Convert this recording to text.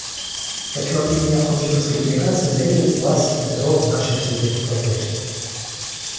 Хочу от имени алжирской делегации заверить Вас и Бюро в нашей всемерной поддержке.